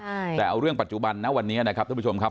ใช่แต่เอาเรื่องปัจจุบันนะวันนี้นะครับท่านผู้ชมครับ